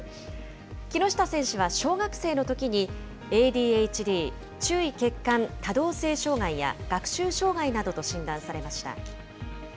木下選手は小学生のときに、ＡＤＨＤ・注意欠陥・多動性障害や学習障害などと診断されました。